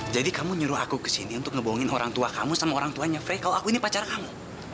jadi kamu nyuruh aku kesini untuk ngebohongin orang tua kamu sama orang tuanya fre kalau aku ini pacar kamu